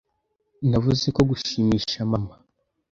Navuze ko gushimisha mama